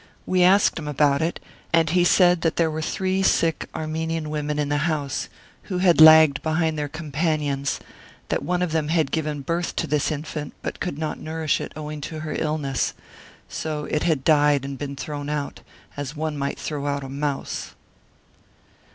We asked him about it, and he said that there were three sick Armenian women in the house, who had lagged be hind their companions, that one of them had given 20 Martyred Armenia birth to this infant, but could not nourish it, owing to her illness. So it had died and been thrown out, as one might throw out a mouse.